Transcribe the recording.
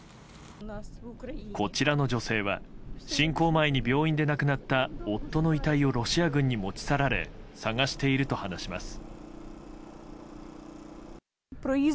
こちらの女性は侵攻前に病院で亡くなった夫の遺体をロシア軍に持ち去られ捜していると話します。